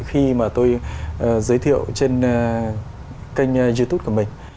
khi mà tôi giới thiệu trên kênh youtube của mình